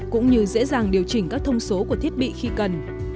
cũng như dễ dàng điều chỉnh các thông số của thiết bị khi cần